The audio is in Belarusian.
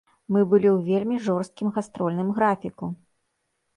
Мы былі ў вельмі жорсткім гастрольным графіку.